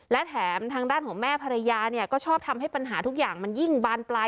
และแถมทางด้านของแม่ภรรยาเนี่ยก็ชอบทำให้ปัญหาทุกอย่างมันยิ่งบานปลาย